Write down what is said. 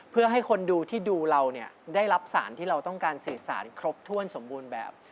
เพื่อให้คนดูที่ดูเราเนี่ยได้รับสารที่เราต้องการสื่อสารครบถ้วนสมบูรณ์แบบ